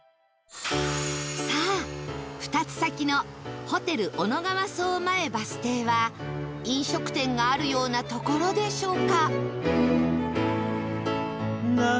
さあ２つ先のホテル小野川荘前バス停は飲食店があるような所でしょうか？